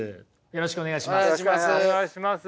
よろしくお願いします。